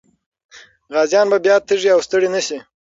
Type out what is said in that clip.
غازيان به بیا تږي او ستړي نه سي.